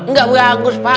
enggak boleh hagus pak